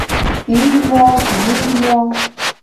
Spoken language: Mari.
Ӱй мо, мӱй мо